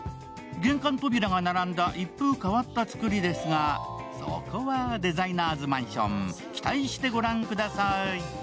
玄関扉が並んだ一風変わったつくりですが、そこはデザイナーズマンション、期待して御覧ください。